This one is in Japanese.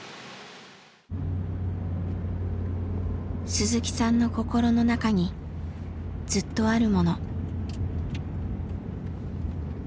鈴木さんの心の中にずっとあるもの。